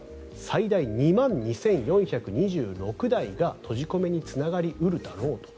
最大２万２４２６台が閉じ込めにつながり得るだろうと。